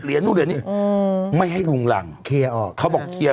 เหรียญทั้งหลาย